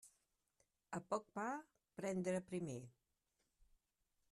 A poc pa, prendre primer.